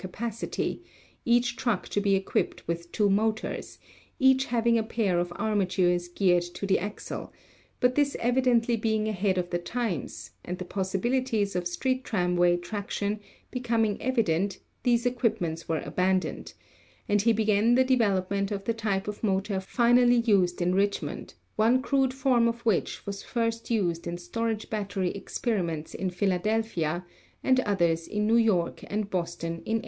capacity, each truck to be equipped with two motors, each having a pair of armatures geared to the axle, but this evidently being ahead of the times, and the possibilities of street tramway traction becoming evident, these equipments were abandoned, and he began the development of the type of motor finally used in Rich mond, one crude form of which was first used in storage battery experiments in Philadelphia and others in New York and Boston in 1886.